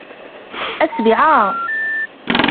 أسرعا.